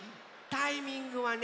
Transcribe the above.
タイミングはねもぐ